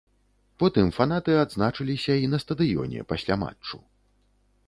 Потым фанаты адзначыліся і на стадыёне, пасля матчу.